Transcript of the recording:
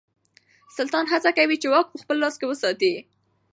سلطان هڅه کوي چې واک په خپل لاس کې وساتي.